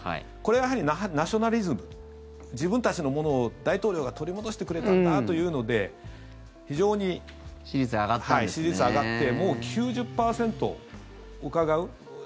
これはやはりナショナリズム自分たちのものを大統領が取り戻してくれたんだというので非常に支持率が上がってもう９０％をうかがう。